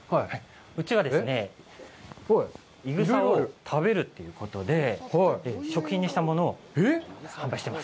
うちはですね、いぐさを食べるということで、食品にしたものを販売してます。